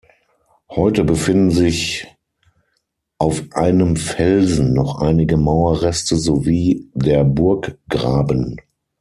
Heute befinden sich auf einem Felsen noch einige Mauerreste sowie der Burggraben.